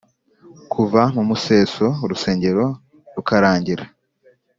kuva mu museso urusengero rukarangira.